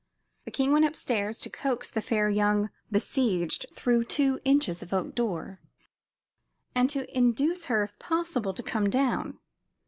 The king went up stairs to coax the fair young besieged through two inches of oak door, and to induce her, if possible, to come down.